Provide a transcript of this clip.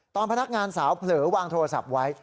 พนักงานสาวเผลอวางโทรศัพท์ไว้